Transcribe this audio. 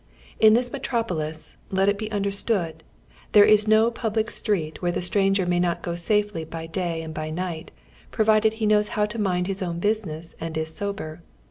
In this metropo lis, let it he nnderstoiid, there is no pnhlie street where the stranger may not go safely by day and by night, provided he knows how to mind his own business and is sober.